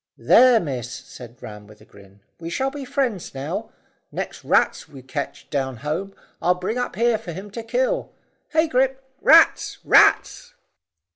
"There, miss," said Ram with a grin; "we shall be friends now. Nex' rats we ketch down home, I'll bring up here for him to kill. Hey, Grip! Rats! Rats!"